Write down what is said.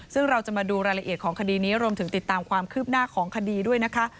ซึ่งเราจะมาดูรายละเอียดของคดีนี้รวมถึงติดตามความคืบหน้าของคดีด้วยนะคะ